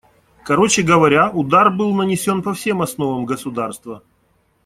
Короче говоря, удар был нанесен по всем основам государства.